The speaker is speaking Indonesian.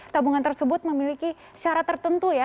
tabungan tersebut memiliki syarat tertentu ya